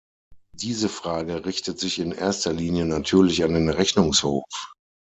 Diese Frage richtet sich in erster Linie natürlich an den Rechnungshof.